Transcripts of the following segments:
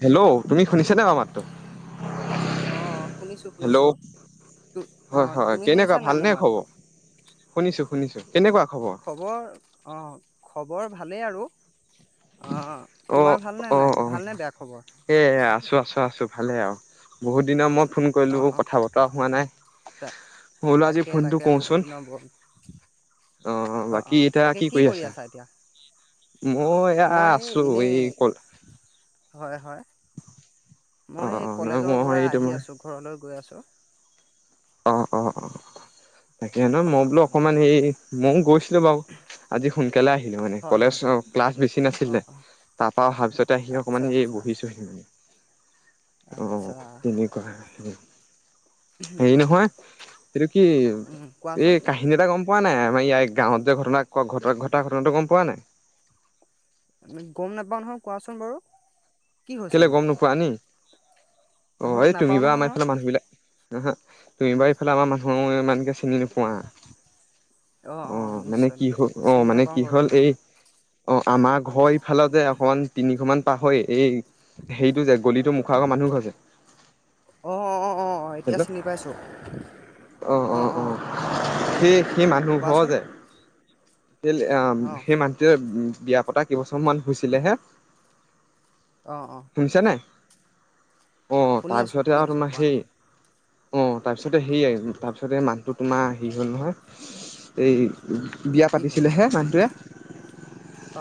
Hello তুমি শুনিছানে বাৰো মোৰ মাতটো? অঁ শুনিছোঁ হেল্ল' শুনিছোঁ হয় অঁ হয় তুমি কেনেকুৱা শুনিছা নাই ভালনে মোৰ মাতটো খবৰ? শুনিছো শুনিছো কেনেকুৱা খবৰ অ খবৰ বৰ ভালেই আৰু, অ অ' তোমাৰ ভালনে নাই ভালনে বেয়া খবৰ? আ চো আছো আছো ভালে আৰু বহুত দিনৰ মূৰত ফোন অ', কৰিলো অ', কথা বতৰা হোৱা নাই তা মই বোলো আজি তাকে ফোনটো তাকে বহুত কওঁচোন দিনৰ মূৰত অ বাকী এতিয়া কি কৰি আছা? মই এয়া আছো এনেই অকল হয় হয়। মই অ' অ' নহয় কলেজৰ মই পৰা এই আহি তোমাৰ আছো ঘৰলৈ গৈ আছো। [unintelligible] অঁ অঁ অঁ। তাকে নহ মই অ', বোলো অকণমান হেই, মই, বাৰু আজি সোনকালে আহিলো মানে হয় কলেজ হয়, ক্লাছ বেছি নাছিলে অ', অ', তাৰপা অহাৰ পিছতে আহি আচ্ছা অকমান আচ্ছা বহিছোহি মানে। অ আচ্ছা তেনেকুৱা। হেৰি উম, নহয় এইটো কি উম, কোৱাচোন? এই কাহিনী এটা গম পোৱা নাই আমাৰ ইয় গাঁৱত যে ঘটনা? ক ঘ ঘটা ঘটনাটো গম পোৱা নাই? গম নাপাও নহয় কোৱাচোন বাৰু- কি কেলে হৈছিলনো? গম নোপোৱা নি? [unintelligible] অ অহ, এই তুমি নাপাওঁ বাা নহয় আমাৰ মই। এইফালে মানুহ বিলাক। নহয় তুমি বাৰু আমাৰ এইফালে মানুহমানে, চিনি নোপোৱা অ মানে কি হ অ চিনি মানে নাপাওঁ কি বাৰু হ'ল ইমান এই অ আমাৰ ঘৰ ইফাল যে অকমান তিনিঘৰমান, পাহৰি এই, সেইটো যে গলিটো মুখা আগৰ মানুহ ঘৰ যে অ অ অ অ এতিয়া চিনি পাইছোঁ অ অ অ সেই সেই মানুহ ঘৰ কোৱাচোন যে, অ সেই মানটোৱে। বিয়া পতা কেইবছৰমান হৈছিলেহে, অ অ শুনিছা নাই? অঁ শুনি আছোঁ তাৰপিছতে শুনি আৰু আছোঁ তোমাৰ কোৱা হেই, অ তাৰপিছতে সেইয়াই তাৰপিছতে মানুহটো তোমাৰ হেৰি হ'ল নহয় এই, বিয়া কি হ'ল পাতিছিলেহে মানুহটোৱে,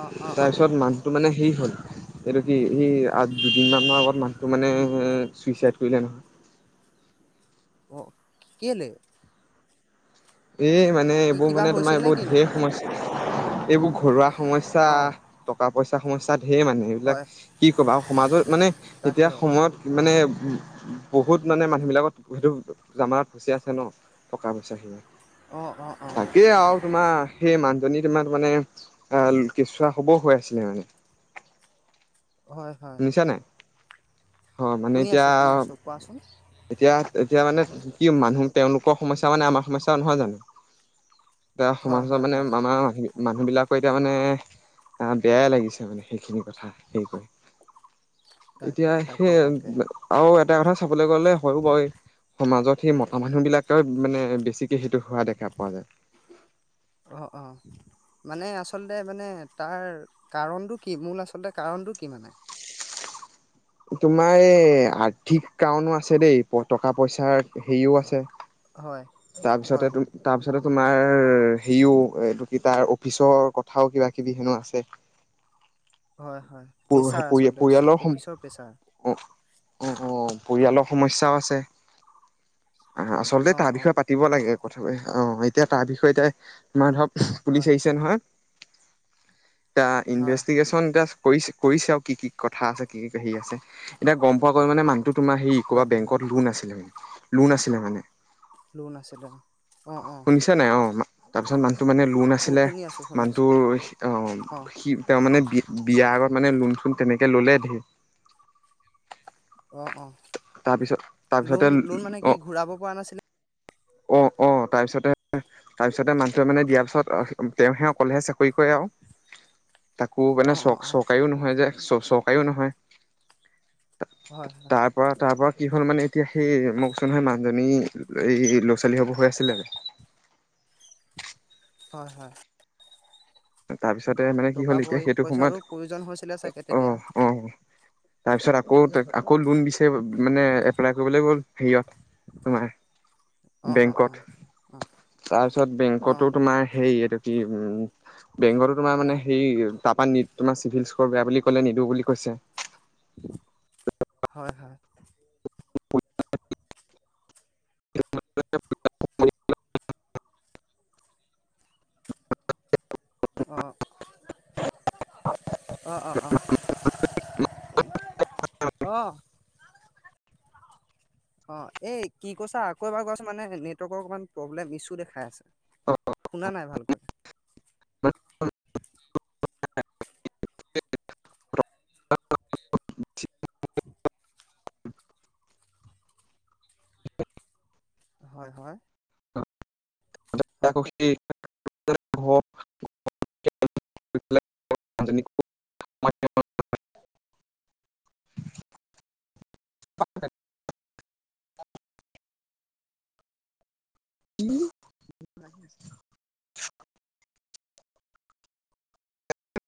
অ অ অ তাৰপিছত মানুহটো মানে হেই হ'ল এইটো কি, দুদিন মানৰ আগত মানুহটো মানে উম চুইচাইড কৰিলে। উ [inaudible] অ কেলে, এই মানে কি এইবোৰ কিবা মানে তোমাৰ হৈছিল নে এইবোৰ কিনো ধেৰ সমস্যা এইবোৰ ঘৰুৱা সমস্যা অ টকা পইচা। পইচা সমস্যা, সেয়ে মানে হয় এইবিলাক কি ক'বা আৰু সমাজত মানে এতিয়া তাকে সময়ত মানে, উ বহুত মানে মানুহ বিলাকত সেইটো জামানত ফচি আছে ন টকা পইচা খিনি, অ অ অ তাকেই আৰু তোমাৰ সেই মানুহজনী, কিমান মানে অহ কেঁচুৱা হ'ব হৈ আছিলে মানে। হয় হয়। অ মানে শুনি এতিয়া আছোঁ শুনি আছোঁ কোৱাচোন এতিয়া এতিয়া মানে কি কি মানুহ তেওঁলোকৰ সমস্যা মানে আমাৰ সমস্যা। নহয় জানো? এয়া হয় সমাজৰ হয় মানে হয় মামাৰ মাহী মানুহ বিলাকৰ এতিয়া মানে আহ বেয়াই লাগিছে মানে সেইখিনি কথা তাক এতিয়া হে তাকে তাকে আৰু এটা কথা চাবলৈ গ'লে সৰু হয় সমাজত সেই মতা মানুহ বিলাকে মানে বেছিক হোৱা দেখা পোৱা যায়। অ অ মানে আচলতে মানে তাৰ কাৰণটো কি মূল আচলতে কাৰণটো কি মানে? তোমাৰ এই আৰ্থিক কাৰণো আছে দেই টকা পইচাৰ সেও আছে। হয় তাৰপিছতে হয় তাৰপিছত তোমাৰ হেৰিও এইটো কি তাৰ অফিচৰ কথাও কিবা কিবি হেনো আছে। হয় হয় প্ৰেছাৰ আচলতে পৰিয়ালৰ সম অফিচৰ প্ৰেছাৰ। অ অ অ পৰিয়ালৰ সমস্যাও আছে। আহ আচলতে অ তাৰ অ বিষয়ে পাতিব লাগে। কথা অ এতিয়া তাৰ বিষয়ে এ তোমাৰ ধৰ পুলিচ হয় আহিছে নহয়। এটা হয় ইনভেষ্টিগেশ্যন এতিয়া কৰিছে কৰিছে আৰু কি কি কথা আছে কি কি হেৰি আছে এতিয়া গম পোৱা গ'ল মানে মানুহটো তোমাৰ হৰি ক'ৰবা হয় হয় বেংকত লোন আছিলে লোন আছিলে মানে। লোন আছে তাৰ অঁ অ'। তাৰ পিছত মানে? মানে লোন ন শু আছিলে শুনি আছো শুনি আছো অ মানুহটোৰ সি তেওঁ তাৰ মানে বি বিয়া আগত মানে লোন চোন কেনেকে ললে ধেৰ অঁ অঁ। তাৰ পিছত তাৰপিছতে অ ঘূৰাব পৰা নাছিলে অ অ তাৰপিছতে তাৰপিছতে মানুহে মানে দিয়া পিছত তেওঁহে অকলেহে চাকৰি কৰে আও তাকো অ মানে অ চক অ চৰকাৰীও নহয় যে চ চ চৰকাৰীও নহয়। হয় হয় তাৰ পৰা তাৰ পৰা। কি হ'ল মানে এতিয়া, সেই মোক চোন মানুহজনী এই। ছোৱালী হ'ব হৈ আছিলে। হয় হয়। তাৰপিছতে মানে কি টকা হ'ল, এতিয়া পই সেইটো পইচাৰো সময়ত প্ৰয়োজন হৈছিলে চাগে অ তেতিয়া অ তাৰপিছ। অ, তাক আকৌ লোন দিছে। মানে, এপলাই কৰিবলৈ গ'ল। হেয়া তোৰ মায়ে [unintelligible] অ অ অ বেংকত অ তাৰপিছত, অ বেংকতো তোমাৰ হে এইটো। কি উম বেংকতো তোমাৰ মানে সেই তাৰ পৰা তোমাৰ চিভিল ইস্কৰ বেয়া বুলি কলে নিদো বুলি কৈছে। হয় হয়। [unintelligible] অঁ। অঁ অঁ অঁ। আহ। অ, এই কি কৈছা আকৌ এবাৰ কোৱা চোন, মানে নেটৱৰ্কৰ অকমান প্ৰব্লেম ইছ্যু দেখাই আছে শুনা নাই ভালকৈ। [unintelligible] [unintelligible] হয় হয়। [unintelligible] উম।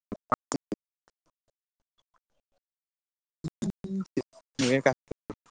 [unintelligible] ম ক [unintelligible]